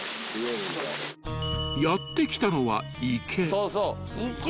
［やって来たのは］